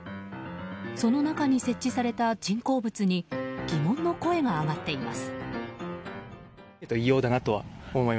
その中に設置された人工物に疑問の声が上がっています。